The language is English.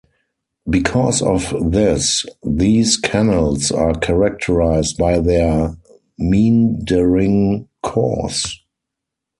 Because of this, these canals are characterised by their meandering course.